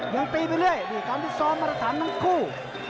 ยังตีไปเรื่อยนี่การพิซ้อมมาตรฐานทั้งคู่